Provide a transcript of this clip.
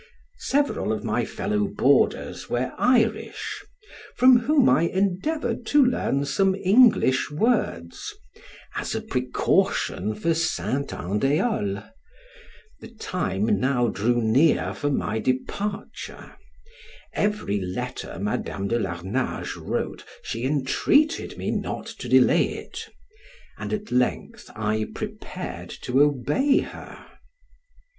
Several of my fellow boarders were Irish, from whom I endeavored to learn some English words, as a precaution for Saint Andiol. The time now drew near for my departure; every letter Madam de Larnage wrote, she entreated me not to delay it, and at length I prepared to obey her.